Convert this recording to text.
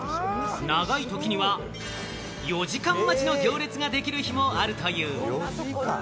長い時には４時間待ちの行列ができる日もあるという。